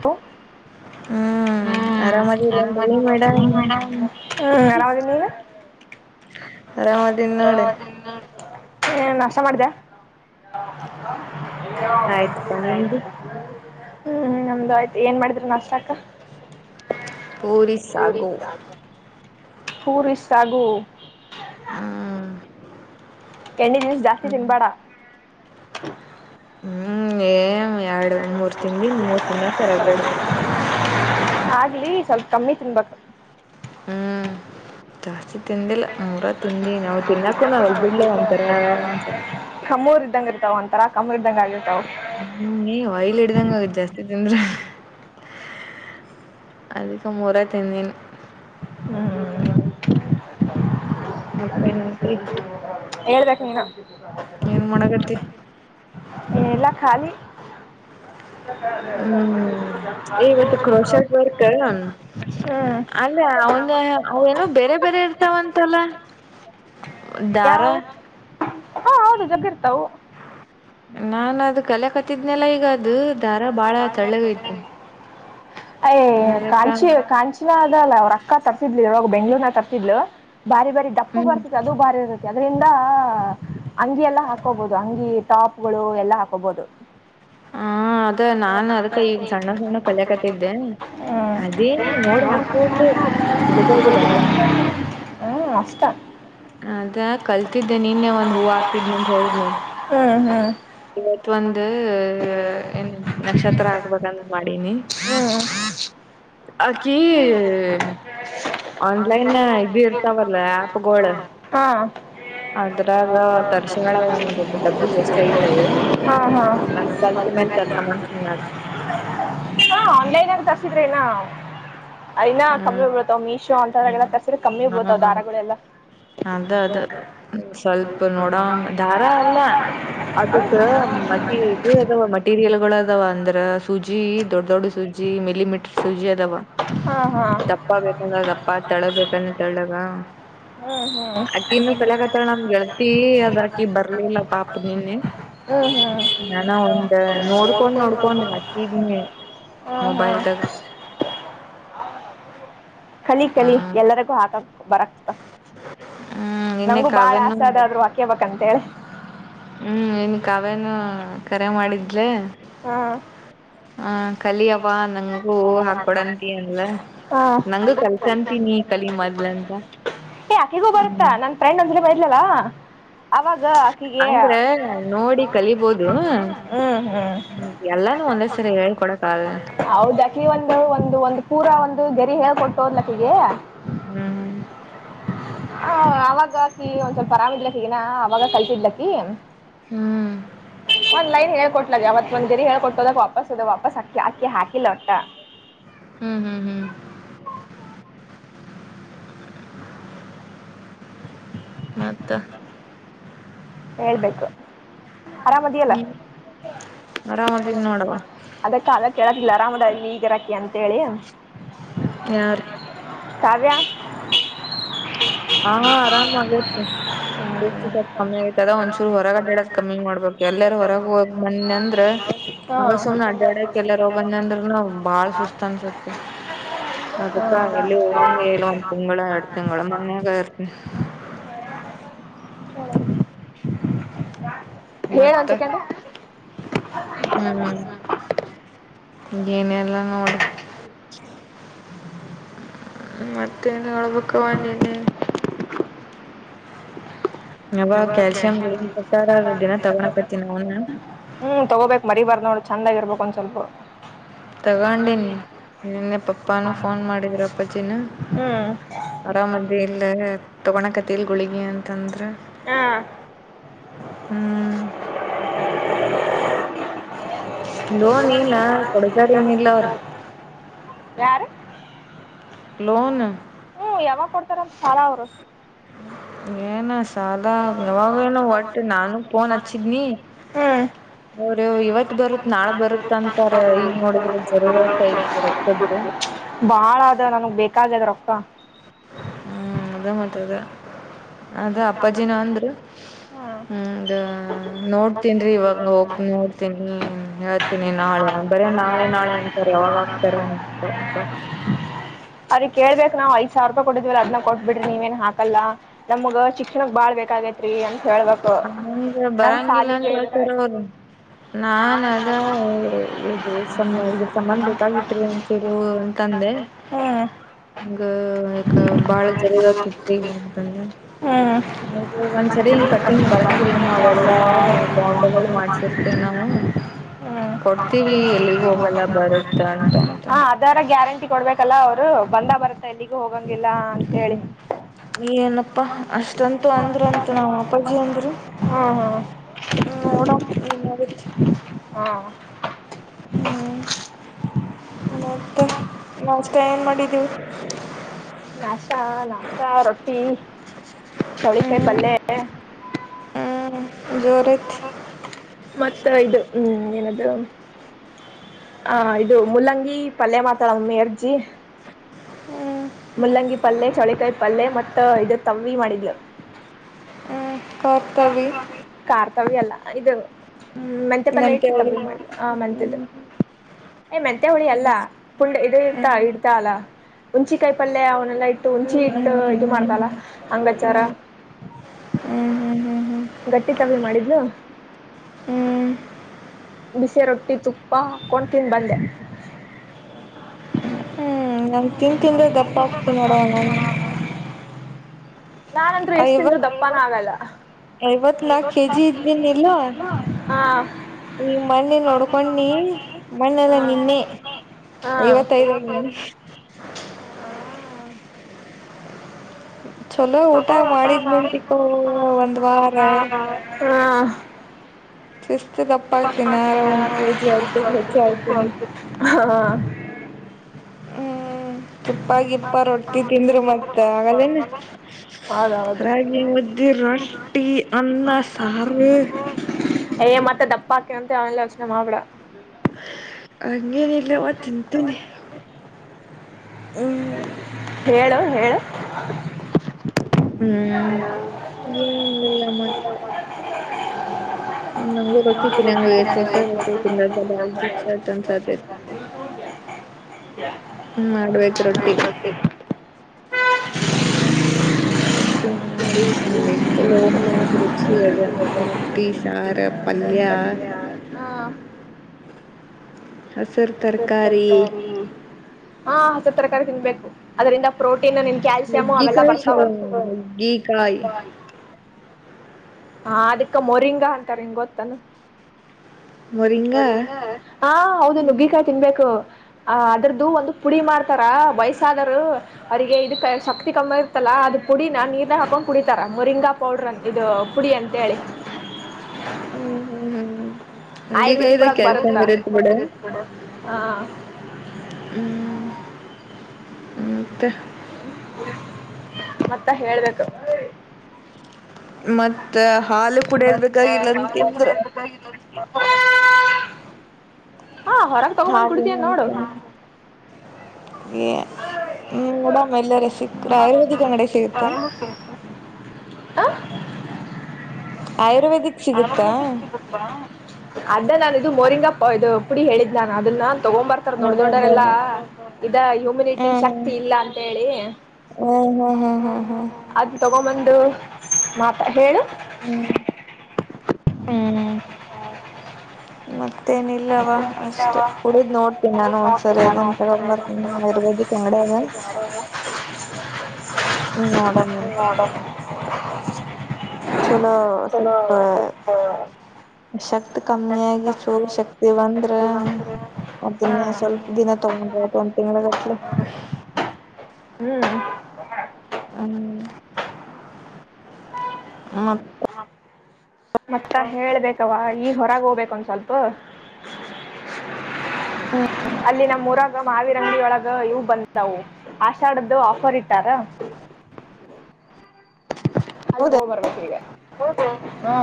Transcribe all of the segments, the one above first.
ತ್ತೋ ಹ್ಮ್ ಹ್ಮ್ ಆರಾಮ ಆರಾಮ್ ಆರಾಮದಿರೇನ್ರಿ ಅದೀರ ಹೂ ಮೇಡಮ್ ಮೇಡಂ ಹೇ ಆರಾಮ್ ನೀನು. ಯಾ ದಿನ ನೋಡೇ. ಹೇ ನಾಷ್ಟ ಮಾಡ್ದ. ಆಯ್ತಪಾ ನಿಮ್ದು ಹ್ಮ್ ನಮ್ದು ಆಯ್ತು ಏನ್ ಮಾಡಿದ್ರೀ ನಾಷ್ಟ ಅಕ್ಕ. ಪೂರಿಸಾಗು ಹೂರಿ ಸಾಗು ಹ್ಮ ತೆಣ್ಣುಗೀಸು ಜಾಸ್ತಿ ತಿನ್ಬೇಡ. ಹ್ಮ್ ಏಮ ಎರಡು ಮೂರು ತಿಂಡಿ ಮೂರು ತಿನ್ನಕ್ ಕೋರುಗ್ಬೇಡಿ. ಆಗ್ಲಿ ಸ್ವಲ್ಪ ಕಮ್ಮಿ ತಿನ್ಬೇಕು. ಹ್ಮ್ ಜಾಸ್ತಿ ತಿಂದಿಲ್ಲ ಮೂರ ತಿಂದ್ವಿ ನಾವು ತಿನ್ನಾಕು. ಕಮ್ಮೂರ್ ಇದ್ದಂಗ ಇರ್ತಾವ ಒಂತರ ಕಮ್ಮೂರ್ ಇದ್ದಂಗ ಆಗಿರ್ತಾವ. ಹ್ಮ ಇನ್ನೇನು ಆಯಿಲ್ ಹಿಡಿದಂಗ ಜಾಸ್ತಿ ತಿಂದ್ರೆ. ವಡೆ ತಿಂದ್ವಿ. ಹ್ಮ್ ಮತ್ತೇನಂತಿ ಹೇಳ್ಬೇಕು ನೀನ್. ಏನ್ ಮಾಡಾಕತ್ತೀ. ಏನೆಲ್ಲಾ ಖಾಲಿ. ಹ್ಮ್ ಹೇ ವೋಟು ಕ್ರೋಶರ್ಟ್ ವರ್ಕ್ಏನು. ಹ್ಮ್ ಅಂದ್ರ ಅವನ ಅವೇಏನು ಬೇರೆ ಬೇರೆ ಇರ್ತಾವಂತಲ್ಲ - ಯಾವು ಹಾ ಹೌದು ಜಗ್ಗಿರ್ತವು. ನಾನ್ ಅದು ಕಲಿಯಾ ಕತ್ತಿದ್ನೆಲ್ಲ ಈಗ ಅದು ದಾರ ಬಾಳ ತಳ್ಳಗೈತಿ. ಅಯ್ ಕಾಂಚಿ ಕಾಂಚಿನ ಅದಲ್ಲ ಅವ್ರ ಅಕ್ಕ ತರ [unintelligible] ಬೆಂಗಳೂರ್ನ್ಯಾಗ ತರ್ಸಿದ್ಲು ಬಾರಿ ಬಾರಿ ಡಪ್ಪ ಹ್ಮ್ ಬರ್ತದೆ ಅದು ಬಾರಿ ಇರತ್ತ ಅದರಿಂದ ಅಂಗಿ ಎಲ್ಲಾ ಹಾಕೋಬಹುದು ಅಂಗಿ ಟಾಪ್ಗಳು ಎಲ್ಲಾ ಹಾಕೋಬಹುದು. ಹಾ [unintelligible] ಹ್ಮ ಅದ ನಾನ್. ಅದಕ್ಕ ಈಗ ಸಣ್ಣ ಸಣ್ಣ ಕಲಿಯಕತ್ತಿದ್ದೆ ಅದೇನ್ ನೋಡಿ [inaudible] [inaudible] ಹ್ಮ್ ಅಷ್ಟ. ಅದ ಕಲ್ತಿದ್ದೆ ನೀನ್ನೆ ಒಂದ್ ಹೂ ಹಾಕಿದ್ನ ಅಂತ ಹೇಳಿದ್ನ. ಹ್ಮ್ ಹ್ಮ್ ಇವತ್ ಒಂದ ಏನ್ ನಕ್ಷತ್ರ ಹಾಕ್ಬೇಕಂತ ಮಾಡೀನಿ. ಹ್ಮ. ಅಕಿ ಆನ್ಲೈನ್ ಇದ ಇರ್ತಾವಲ್ಲ ಆಪಗೋಳ - ಹಾ ತರ್ಸಾಳ ಒಂದ್ ಡಬ್ಬಿ ಎಷ್ಟ ಹಾ ಹಾ [inaudible] [inaudible] ತರಸೋಮಂತ್ ಹೇಳ್ಯಾರ. ಹಾ ಆನ್ಲೈನ್ಲ್ಲಿ ತರ್ಸಿದ್ರಿ ಏನ? ಇನ್ನ ಹ್ಮ್ ಕಮ್ಮಿಬಿಡ್ತವ್ ಮೀಶೋ ಅಂತಥರೆಲ್ಲಾ ತರ್ಸ್ರೆದ ಕಮ್ಮಿ ಹ್ಮ್ ಬೀಳ್ತಾವ ಹ್ಮ್ ದಾರಗಳೆಲ್ಲಾ ಅದ ಅದ ಸ್ವಲ್ಪ ನೋಡೋಮ ದಾರ ಅಲ್ಲ ಅದಕ್ಕ ಮಟಿ ಇದು ಅದಾವ ಮೇಟೀರಿಯಲ್ಗಳು ಅದಾವ ಅಂದ್ರ ಸೂಜಿ ದೊಡ್ ದೊಡ್ಡ ಸೂಜಿ ಮೀಲಿಮೀಟ್ರ ಸೂಜಿ ಅದು ಹಾ ಹಾ - [inaudible] ದಪ್ಪಾ ಬೇಕಂದ್ರ ದಪ್ಪಾ ತೆಳ್ಳಗ ಬೇಕಂದ್ರ ತಳ್ಳಗ. ಹ್ಮ್ ಹ್ಮ್ [inaudible] ಹ್ಮ್ ನಮ್ ಗೆಳತಿ ಅದ್ರಕಿ ಬರ್ಲಿಲ್ಲ ಪಾಪ ನಿನ್ನೆ ಹ್ಮ ನಾನ ಒಂದ್ ನೋಡ್ಕೊಂಡ್ ನೋಡಕೊಂಡ ನೋಡ್ಕೊಂಡ್ ನೋಡಕೊಂಡ ಹಾಕಿದೀನಿ - ಹ್ಮ್ ಹ್ಮ್ ಮೊಬೈಲ್ದಾಗ ಕಲಿ ಕಲಿ ಹ್ಮ್ ಎಲ್ಲರಿಗೂ ಹಾಕಕ್ ಬರಕತ್ತ. ಹ್ಮ್ ನಿನ್ನೆ ನಂಗೂ ಬಾಳ ಕಾವ್ಯನು ಆಸೆ ಅದ ಆದ್ರುವ ಹಾಕೋಬೇಕಂತ ಹೇಳಿ ಹ್ಮ್ ನಿನ್ನೆ ಕಾವ್ಯನು ಕರೆ ಮಾಡಿದ್ಲ ಹ್ಮ್ ಹ್ಮ್. ಕಲಿಯವ್ವ ನಂಗೂ ಹಾಕೀಕೊಡಂತಿ ಅಂದ್ಲ ಹ ನಂಗು ಕಲ್ಸಂತಿ ಕಲಿ ಮೊದ್ಲ. [unintelligible] ಏ ಆಕೆಗೂ ಗೋರತ್ ಹ್ಮ್ ನನ್ ಫ್ರೆಂಡ್ ಅಂತ [inaudible] ಹೇಳಿದ್ಲಅಲಾ. ಅಂದ್ರೆ ನೋಡಿ ಕಲಿಬೋದು ಹ್ಮ್ ಹ್ಮ್ ಎಲ್ಲಾನೂ ಒಂದೇ ಸರಿ ಹೇಳಿ ಕೊಡಾಕ್ ಹೌದ ಅಕ್ಕಿ ಒಂದು ಒಂದು ಒಂದ ಪೂರ ಒಂದು ಗರಿ ಹೇಳ್ ಕೊಟ್ಟು ಹೋದ್ಲಕ್ಕಿಗೆ. ಹ್ಮ್ ಹ ಅವಾಗ ಅಕಿ ಒಂದ್ ಸ್ವಲ್ಪ ಆರಾಮ್ ಇದ್ಲಕ್ ಅವಾಗ ಕಲ್ತಿದ್ಲ ಆಕಿ. ಒನ್ ಲೈನ್ ಹೇಳ್ಕೊಟ್ಲಾಗ ಯಾವತ್ ಒಂದ ಗರಿ ಹೇಳ್ಕೊಟ್ಟೋದಾಗ ವಾಪಸ್ ಅದ ವಾಪಸ್ ಹಾಕ ಆಕಿ ಹಾಕಿಲ್ಲ ಒಟ್ಟ. ಹ್ಮ್ ಹ್ಮ್ ಹ್ಮ್ ಮತ್ತ ಹೇಳ್ಬೇಕ. ಆರಾಮದಿಯಲ್ಲ ಹ್ಮ್ ಆರಾಮದಿನ್ ನೋಡವ್ವ ಅದ ಕಾವ್ಯ ಕೇಳಾತಿದ್ಲ ಆರಾಮ [inaudible] ಇಲ್ಲಿ ಈಗರಕ್ಕಿ ಅಂತೇಳಿ. ಯಾರ್? ಕಾವ್ಯಾ. ಹಾ ಹಾ ಆರಾಮ್ ಆಗೇತಿ ಪೂರ್ತಿ ಕಮ್ಮಿ ಆಗತ ಅದ ಒಂದ್ಚೂರು ಹೊರಗ ಅಡ್ಯಾಡಕ್ ಕಮ್ಮಿ ಮಾಡ್ಬೇಕ ಎಲ್ಲಾರ ಹೊರಗ ಹೋಗಿ ಬನ್ನಿ ಅಂದ್ರ ಅಡ್ಡಾಡಾಕ್ ಎಲ್ಲಿರ ಹೋಗಿ ಬನ್ನಿ ಅಂದ್ರನು ಬಾಳ್ ಸುಸ್ತ್ ಅನ್ಸುತ್ತೆ. ಅದಕ್ಕ ಎಲ್ಲಿನು ಹೋಗಂಗಿಲ್ಲ ಒಂದು ತಿಂಗಳು ಎರಡು ತಿಂಗಳ ಮನೆ ಮನ್ಯಾಗ ಇರ್ತೀನಿ. ಹೇಳ ಒಂದ್ ಮತ್ತೆ ಸೆಕೆಂಡ್ ಹ್ಮ್ ನ ಎಲ್ಲಾಂಗೋಡಿ ಮತ್ತೆ ಏನ್ ಹೇಳ್ಬೇಕು ವಂನಿ ಯ ಕ್ಯಾಲ್ಸಿಯಂಾರ ದಿನ ತಗೋಳಕತಿನನ ನ ಅವನ ಹ್ಮ್ ತಗೋಬೇಕಕ್ ಮರಿ ಬಾರ ನೋಡ್ ಚಂದ ಆಗ ಇರ್ಬೇಕು ಒಂದ್ ಸ್ವಲ್ಪ ತಗೊಂಡೀನಿ ನಿನ್ನೆ ಪಪ್ಪಾನೂ ಫೋನ್ ಮಾಡಿದ್ರ ಅಪ್ಪಾಜಿನ ಹ್ಮ್ ಅರಾಮಂದಿ ಇಲ್ಲ ತೊಗಣ ಕತ್ತ ತಿಲ್ಗಳಿಗೆ ಅಂತಂದ್ರೆ ಹಾ ಹ್ಮ್ ಲೋನ್ ಏನ ಕೊಡ್ತಾರ ಏನಿಲ್ಲ ಅವ್ರ ಯಾರ ಲೋನ್ ಯಾವಾಗ ಕೊಡ್ತಾರ ಸಾಲಳ ಅವರು ಏನ ಸಾಲ ಯಾವಾಗೇನೋ ಒಟ್ಟು ನಾನು ಫೋನ್ ಹಚ್ಚಿದ್ನಿ ಹ್ಮ್ ರ ಇವತ್ ಬರುತ್ ನಾಳ ಬರುತ್ತ ಅಂತಾರ ಈಗ ನೋಡಿದ್ರ ಜರೂರತ್ ಐತಿ ರತದ್ದು ಬಾಳ ಅದ ನನಗ್ ಬೇಕಾಗದ ರಕ್ತ ಹ್ಮ್ ಅ ಮತ್ರದ ಅದ ಅಪ್ಪಾಜಿನ ಅಂದ್ರ ಹ್ಮ್ ಹ ನೋಡ್ ಹತನ್ೀ ಇವಾಗ ಹೋಗ ನೋಡ್ತೀನಿ ಹೇಳ್ತೀನಿ ನಾಳೆ ಬರ ನಾ ನಾಳೆ ನಾಳೆ ಅಂತಾರೆ ಯಾವಾಗ ಆಗ್ತಾರ ಅ ಅದ ಕೇಳ್ಬೇಕಕ್ಾಾವ ಐದ ಸಾವಿರ ರೂಪಾಯಿ ಕೊಟ್ಟಿದವಲ್ಲ ಅದ್ ಕೊಟ್ಬ ಬಿಡ್ರಿ ನೀವೇಏನ್ ಹಾಕಲ್ಲ ನಮ್ಗ ಶಿಕ್ಷಣಕ್ ಬಾಳ್ ಬೇಕ ಗೈತ್ ರರಿ ಎ ಹಂಗೆ ಬರಂಗಿಲ್ಲ ಅಂತ ಹೇಳ್ತಾರ ಬೇಕಾಗೈತಿ ಅವರು ನಾನ್ ಅದ ಇದ ಇದ್ರ ಸಂಧ ಬೇಕಾಗಿತ್ರಿ ಅಂತೇಳರು ಅಂತ ಂದೆ ಹಗ ಬಾಳ ಜರರತ್ ಇತಿಲ್ಲಂತೆ ಹ್ಮ್ ಹೌದು ಒಂದ್ಸರಿ ಹಿಂಗ ಕಟ್ಟ ಬಳಂಗಿಲ್ಲಮ್ಮ ಅವೆಲ್ಲಾ ಬಾಂಡಗಳು ಮಾಡ್ಸಿರ್ತೇವ್ ನಾವವು ಹ್ಮ್ ಕೊಡ್ತೀವಿ ಎಲ್ಲಿಗ ಹೋಗಲ್ಲ ಬರುತ್ತ ಅಟಂತ ಹಾ ಅದರ ಗ್ಯಾರಂಟಿ ಕೊಡ್ಬೇಕಲ್ಲ ಅವರು ಬಂದ ಬರುತ್ತೆ ಎಲ್ಲಿಗೂ ಹೋಗ ಲ್ಲ ಅಂತ ಹೇಳಿ ಏನಪ್ಪಾ ಅಷ್ಟಂತೂ ಅಂದ್ರಂತ ನಮ್ಮ ಹ್ಮ ಹ್ಮ್ ಹ್ಮ ೋಡ ನೀನ ಹ ಹ್ಮ್ ಮತ್ತೆ ಏನ್ ಮಾಡಿದೀವಿ ನಾಶತಾ ನಾಶತಾ ರೊಟ್ಟಿ ಚೌಳಿಕಾಯ ಹ್ಮ್ ಪಲ್ಲ ಜರ ಮತ್ತ ಇದು ಹ್ಮ್ ಏನಾದ್ೂ ಹ ಇದು ಮುಲ್ಲಂಗಿ ಪಲ್ಯ ಮಾತಾಡ ಮೇರ್ಜಿ ಮುಲ್ಲಂಗಿ ಪಲ್ೆ ಚಳಕಾಯಿ ಪಲ್ೆ ಮತ್ತ ಇದು ತವ್ವಿ ಮಾಡಿದ್ಲು ಹ್ಮ್ ಕಾರ್ತವಿ ಕಾರ್ತವ್ಯ ಅಲ್ಲ ಇದು ಹ್ಮ್ ಮೆಂತೆ ಪಲ್ಲ ಇಟ್ಟತವ ಆ ಮೆಂತೆ್ದ ಯ್ ಮೆಂತೆ ಹುಳಿ ಅಲ್ಲ ಫುಲ್ ಇದು ಇರ್ತಾ ಹ್ಮ್ ಇಡ್ತ ಅಲ್ಲಾ ಮುಂಚಿ ಕಾಯಿ ಪಲ್ಯ ಅವನ್ನೆಲ್ಲಾ ಟ್ಟ ಹುಂಚಿ ಇಟ್ಟ ಹ್ಮ್ ಹ್ಮ್ ಇದು ಹ್ಮ್ ಹ್ಮ್ ಮಾಡ್ತಲ್ಲ ಅಂಗಚಾರ ಹ್ಮ್ ಹ್ಮ್ ಗಟ್ಟಿಿತಾವವಿ ಮಾಡಿದ್ಲು ಹ್ಮ್ ಬಿಸಿ ರೊಟ್ಟಿ ತುಪ್ಪ ಕೊಂಡ ತಿಂದು ಬಂದೆ ಹ್ಮ್ ನನ್ ತಿನ್ಂತಿಂದ್ರೆ ದಪ್ಪ ಆಗ್ತಿ ನೋಡವಣ ನಾಂದ್ರರು ಎಷ್ಟ ತಿಂದರು ದಂಪನ ಆಗಲ್ಲ ಐವತ್ನಾಲ್ಕು ಕೆ ಜಿ ಐವತ್ತರು ಕೆಜಿ ಇದ್ದೀನಿಲ್ಲ ಇದ್ದೀನಿ ಇಲ್ಲೋ ಈ ಮೊನ್ನೆ ನೋಡ್ಕೊಂಡಿನಿ ಮೊನ್ನೆ ಹಾ ಅಲ್ಲ ನಿನ್ನೆ ಐವತ್ತ ಐದ ಆಗೀನಿ ಹಾ ಚಲೋ ಹೊಸ ಊಟ ಹೊಸ ಗಾಡಿ ಮಾಡಿದ್ನಂತಿಕೋ ಒಂದ್ ವಾರ [unintelligible] ಹಾ ಶಿಸ್ತು ದಪ್ಪ ಆಗ್ತೀನಿ ಆರ ಒಂದ್ ಕೆ ಜಿ ಅಡ್ಡಿಗೆ ಹೆಚ್ಚು ಆಯ್ತೀನಿ ಹಾ ಹಾ [unintelligible] ಹ್ಮ್ ತುಪ್ಪಾಗಿಪ್ಪ ರೊಟ್ಟಿ ತಿಂದರು ಮತ್ತೆ ಆಗಲ್ಲೇನ್. ಹೌದೌಹೌದು ರೊಟ್ಟಿ ಅನ್ನ ಸಾರು [unintelligible] ಯ ಮತ್ತೆ ದಪ್ಪ ಅಕ್ಕೆವ ಅಂತ ಅವಲ್ಲ ಯೋಚನೆ ಮಾಡ್ಬೇಡ ಹಂಗೇನಿಲ್ಲವ ತಿಂತೇನಿ ಹೇಳು ಹೇಳ ಹ್ಮ್ ಏನುಇಲ್ಲ ಮತ್ತ ನಂಗೂ ರೊಟ್ಟಿ ತಿನ್ನಂಗ ಆಗೇತಿ ಯಾಕ ರೊಟ್ಟಿ ತಿನ್ನದ ಬಾಳ [unintelligible] ಗಿಚ್ಚಟ್ ಅನ್ಸತೈತಿ [inaudible] ಮಾಡ್ಬೇಕು ರೊಟ್ಟಿ. ತಿ ಲಿ ಮಸ್ತ ರೊಟ್ಟಿ ಸಾರ ಪಲ್ಯ ಪಲ್ಯ ಹಾ ಹಸರು ತರಕಾರಿ ಹಾ ಹಸರು ತರಕಾರಿ ತಿನ್ಬೇಕು ಅದರಿಂದ ಪ್ರೋಟು ತಿನ್ನ ನಿನ್ ಕ್ಯಾಲ್ಸಿಯಮ ಅವೆಲ್ಲಾ ನುಗ್ಗಿಕಾಯಿ ಬರ್ತಾವ. ಚಲೋ ನುಗ್ಗಿಕಾಯಿ ಹಾ ಅದಕ್ಕ ಮೊರಿಂಗ ಅಂತಾರ ನಿಂಗ್ ಗೊತ್ತನ್ ಮೊರಿಂಗಾ ಮೋರಿಂಗ್ ಹಾ ಹೌದು ನುಗ್ಗಿಕಾಯ ತಿನ್ಬೇಕು. ಅ ಅದ್ರದ್ದು ಒಂದು ಪುಡಿ ಮಾಡ್ತಾರ ವಯಸ್ಸಾದರು ಅವರಿಗೆ ಇದ ಶಕ್ತಿ ಕಮ್ಮಿ ಇರ್ತಲ್ಲಾ ಅದ ಪುಡಿನ ನೀರನೀರನ್ಯಾಗ್ ಹಾಕೊಂಡ್ ಕುಡಿತಾರ ಮೊರಿಂಗಾ ಪೌಡ್ರ ಇದು ಪುಡಿ ಅಂತೇಳಿ. ಹ್ಮ್ ಹ್ಮ್ ಹ್ಮ್ ಆಯುರ್ವೇದಿಕ್ ಹಂಗಿಗದ ಒಳಗ್ ಕೆಲ್ಸ ಬರುತ್ತ ಬಿಡ ಹಾ ಹ್ಮ್ ಹ್ಮ ಮತ್ತ್ ಮತ್ತ ಹೇಳ್ಬೇಕು. ಮತ್ತ ಹಾಲು ಮತ್ತೆ ಕುಡಿಯರ್ಬೇಕಾಗಿಲ್ಲ ಹಾಲು ಕೂಡ ಅಂತಂದ್ರ ಲಾಗಿ [unintelligible] ಹಾಗದು ಹ ನೋಡು [unintelligible] ಹ್ಮ್ ಮೇಡಾಮ್ ಎಲ್ಲರ ಸಿಕ್ರ ಆಯುರ್ವೇದಿಕ್ ಅಂಗಡಿ ಸಿಗುತ್ತೆ. ಹಾ ಆಯುರ್ವೇದಿಕ್ ಸಿಗುತ್ತಾ [unintelligible] ಅಡ್ಡನ್ ಇದು ಮೋರಿಂಗ ಇದು ಪುಡಿ ಹೇಳಿದ್ ನಾನು ಅದನ್ನ ತಗೊ ಬರ್ತಾರ ದೊಡ್ಡ ಅದೇ ಅದೇ ದೊಡ್ಡರೆಲ್ಲಾ ಇದ ಹ್ಯುಮಿನಿಟಿ ಹ್ಮ್ ಶಕ್ತಿ ಇಲ್ಲ ಅಂತ ಹೇಳಿ. ಹ್ಮ್ ಹ್ಮ್ ಹ ಹ್ಮ್ ಹ್ಮ್ ಹ ಅದ್ ತಗೊಬಂದು ಮಾತ ಹೇಳು. ಹ್ಮ್ ಹ್ಮ್ ಮತ್ತ ಮತ್ತೇನಿಲ್ಲವಾ ಅಷ್ಟೇ ಕುಡಿದ್ ನೋಡ್ತೀನಿ ನಾನು ಒಂದ್ಸರಿ ಅದನ್ನ ತಗೊಂಡ್ ಬರ್ತೀನಿ ಆಯುರ್ವೇದಿಕ್ ಅಂಗಡಗ ನೋಡಮಂತ [unintelligible] ಚಲೋ ಸ್ವಲ್ಪ ಶಕ್ತಿ ರಕ್ತ ಕಮ್ಮಿ ಆಗಿ ಚಲೋ ಶಕ್ತಿ ಬಂದರೆ ಹಾ ಅದನ್ನ ಸ್ವಲ್ಪ ದಿನ ತಗೊಬಹುದು ಒಂದ ತಿಂಗಳ ಗಟ್ಲ ಹ್ಮ್ ಮತ ಹ್ಮ ಮತ್ತ ಹೇಳ್ಬೇಕವಾ ಈ ಹೊರಗ ಹೋಗ್ಬೇಕ ಒಂದ ಸ್ವಲ್ಪ. ಹ್ಮ ಅಲ್ಲಿ ನಮ್ಮ್ಊರಾಗ ಮಾವಿರಂಗಡಿ ಒಳಗ ಇವು ಬಂದವು ಆಷಾಢದ್ದು ಆಫರ್ ಇಟ್ಟಾರ ಅಲ್ಲಿ ಹೌದ ಹೋಗ್ ಬರ್ಬೇಕು ಈಗ ಹಾ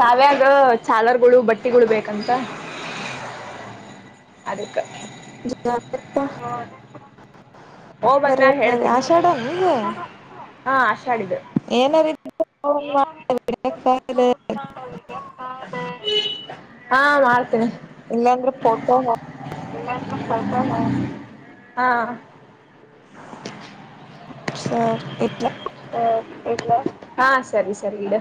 ಕಾವ್ಯಂದ ಚಾಲರ್ಗಳು ಬಟ್ಟಿಗಳು ಬೇಕಂತ ಅದಕ್ಕೆ ಹ ಹಡ ಹಓ್ ಬಂದನಾಗ ಹೇಳ್ತೀನಿ ಆಷಾಢನ್ ಈಗ ಹಾ ಹಷಾಡಿದ್ದು ಏನಾರ ಏ ಇದ್ರೆ ಹ ಮಾಡ್ತೇನೆ ಇಲ್ಲಾಂದ್ರೆ ಫೋಟೋ ಹಾ ಸರ್ ಎ ಇಲ್ಲ ಹಾ ಸರಿ ಸರಿ ಇಡ